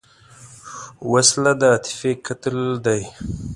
وسله د عاطفې قتل ده